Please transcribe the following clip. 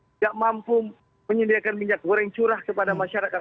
tidak mampu menyediakan minyak goreng curah kepada masyarakat